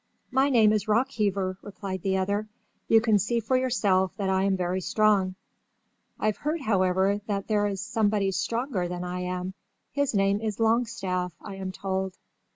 "My name is ROCKHEAVER," replied the other. "You can see for yourself that I am very strong. I've heard, however, that there is somebody stronger than I am. His name is LONGSTAFF, I am told."